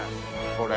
これ。